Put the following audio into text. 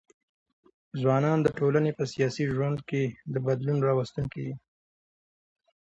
ځوانان د ټولني په سیاسي ژوند ګي د بدلون راوستونکي دي.